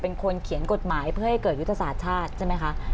เป็นคนเขียนกฎหมายเพื่อให้เกิดยุทธศาสตร์ชาติใช่ไหมคะ